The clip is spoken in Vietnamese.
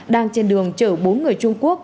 đang trên đường chở bốn người trung quốc